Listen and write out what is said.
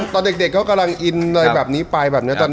ตอนเด็กเขากำลังอินเลยแบบนี้ไปแบบนี้